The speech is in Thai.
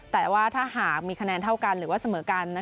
แต่ว่าถ้าหากมีคะแนนเท่ากันหรือว่าเสมอกัน